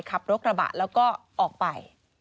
ขับรถกระบะแล้วก็ออกไป